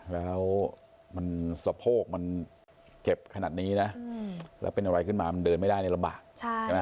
แล้วมันสะโพกมันเจ็บขนาดนี้นะแล้วเป็นอะไรขึ้นมามันเดินไม่ได้ในลำบากใช่ไหม